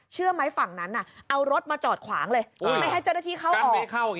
เชื่อไหมฝั่งนั้นน่ะเอารถมาจอดขวางเลยไม่ให้เจ้าหน้าที่เข้าออก